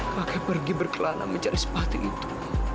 maka pergi berkelana mencari sepatu itu